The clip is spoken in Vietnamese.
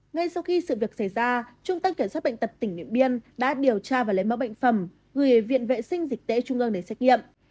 ngay sau khi sự việc xảy ra trung tâm kiểm soát bệnh tật tỉnh điện biên đã điều tra và lấy mẫu bệnh phẩm gửi viện vệ sinh dịch tễ trung ương để xét nghiệm